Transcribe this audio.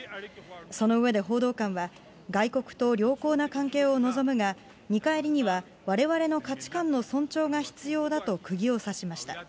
その上で報道官は、外国と良好な関係を望むが、見返りには、われわれの価値観の尊重が必要だとくぎを刺しました。